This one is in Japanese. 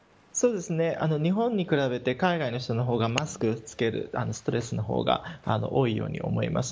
日本に比べて、海外の人の方がマスクを着けるストレスが多いように思います。